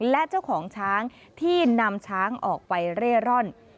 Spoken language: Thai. และเจ้าของช้างที่นำช้างออกไปเร่ร่อน